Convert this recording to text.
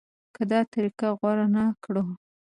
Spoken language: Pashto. که دا طریقه غوره نه کړو.